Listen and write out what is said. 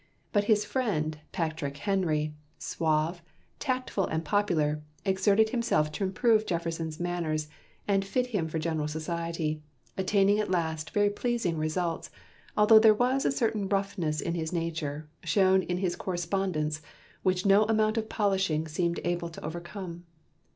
But his friend, Patrick Henry, suave, tactful and popular, exerted himself to improve Jefferson's manners and fit him for general society, attaining at last very pleasing results, although there was a certain roughness in his nature, shown in his correspondence, which no amount of polishing seemed able to overcome.